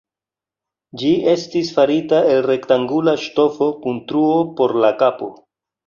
Ĝi estis farita el rektangula ŝtofo kun truo por la kapo.